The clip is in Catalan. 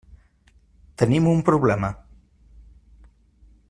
Tenim un problema.